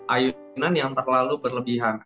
ayunan yang terlalu berlebihan